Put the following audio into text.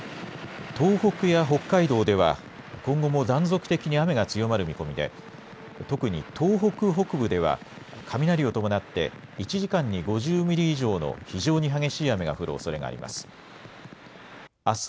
東北や北海道では今後も断続的に雨が強まる見込みで特に東北北部では雷を伴って１時間に５０ミリ以上の非常に激しい雨が降るおそれがあります。